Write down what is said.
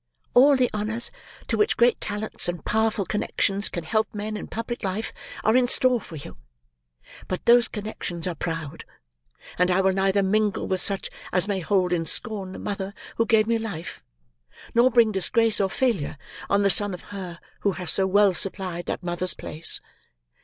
All the honours to which great talents and powerful connections can help men in public life, are in store for you. But those connections are proud; and I will neither mingle with such as may hold in scorn the mother who gave me life; nor bring disgrace or failure on the son of her who has so well supplied that mother's place.